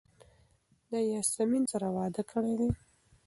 ده د یاسمین سره واده کړی دی.